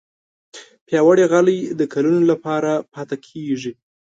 پیاوړې غالۍ د کلونو لپاره پاتې کېږي.